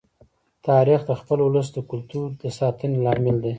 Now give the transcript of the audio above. تاریخ د خپل ولس د کلتور د ساتنې لامل دی.